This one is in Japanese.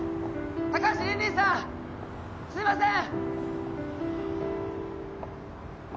高橋凜々さんすいません！